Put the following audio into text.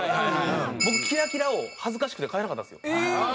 僕キラキラを恥ずかしくて買えなかったんですよ。